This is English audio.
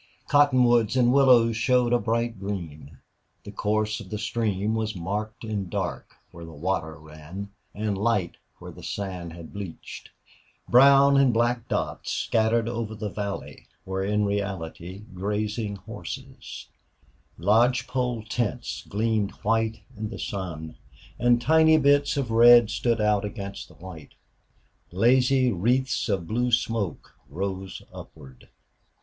Cottonwoods and willows showed a bright green; the course of the stream was marked in dark where the water ran, and light where the sand had bleached; brown and black dots scattered over the valley were in reality grazing horses; lodge pole tents gleamed white in the sun, and tiny bits of red stood out against the white; lazy wreaths of blue smoke rose upward.